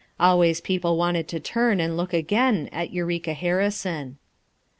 Always people wanted to turn and look again at Eureka Harrison.